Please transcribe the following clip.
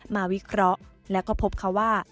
วิเคราะห์แล้วก็พบเขาว่า